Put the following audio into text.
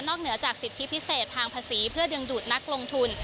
เหนือจากสิทธิพิเศษทางภาษีเพื่อดึงดูดนักลงทุน